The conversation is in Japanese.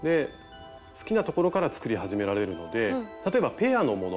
好きなところから作り始められるので例えばペアのもの